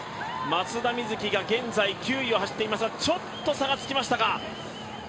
松田瑞生が現在、９位を走っていますがちょっと差がつきましたか。